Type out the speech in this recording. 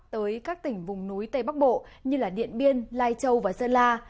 tới các tỉnh vùng núi tây bắc bộ như điện biên lai châu và sơn la